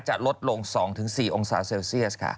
จะลดลง๒๔องศาเซลเซียสค่ะ